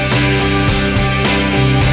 yang tidak benaritz